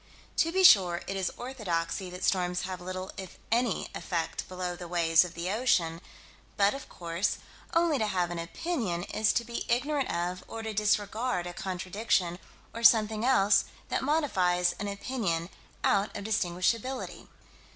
To be sure it is orthodoxy that storms have little, if any, effect below the waves of the ocean but of course only to have an opinion is to be ignorant of, or to disregard a contradiction, or something else that modifies an opinion out of distinguishability.